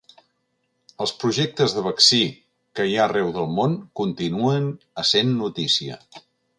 Els projectes de vaccí que hi ha arreu del món continuen essent notícia.